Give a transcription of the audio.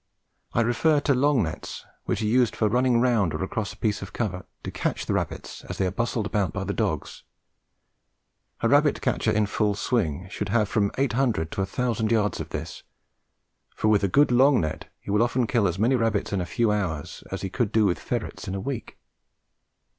I refer to long nets, which are used for running round or across a piece of covert to catch the rabbits as they are bustled about by the dogs. A rabbit catcher in full swing should have from eight hundred to a thousand yards of this, for with a good long net he will often kill as many rabbits in a few hours as he could do with the ferrets in a week.